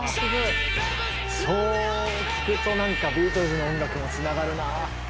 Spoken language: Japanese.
そう聞くとなんかビートルズの音楽がつながるなぁ。